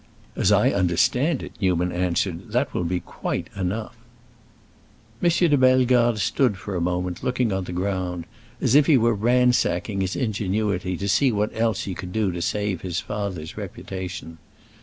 "As I understand it," Newman answered, "that will be quite enough!" M. de Bellegarde stood for a moment looking on the ground, as if he were ransacking his ingenuity to see what else he could do to save his father's reputation.